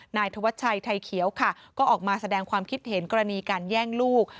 นายธวัชชัยไทยเขียวค่ะก็ออกมาแสดงความคิดเห็นกรณีการแย่งลูก